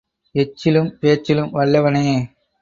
எச்சிலும் பேச்சிலும் வல்லவனே.